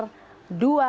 dua tujuh triliun rupiah